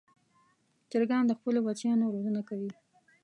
چرګان د خپلو بچیانو روزنه کوي.